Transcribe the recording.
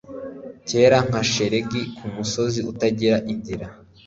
cyera nka shelegi kumusozi utagira inzira